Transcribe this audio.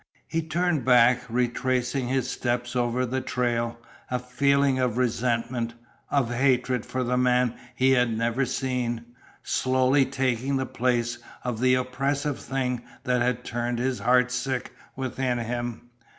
He turned back, retracing his steps over the trail, a feeling of resentment of hatred for the man he had never seen slowly taking the place of the oppressive thing that had turned his heart sick within him.